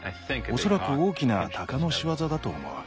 恐らく大きなタカの仕業だと思う。